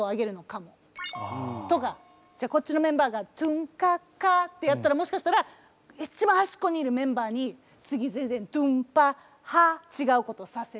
じゃあこっちのメンバーが「トゥンカッカ」ってやったらもしかしたらいっちばん端っこにいるメンバーに次全然「ドゥンパッハ」ちがうことをさせる。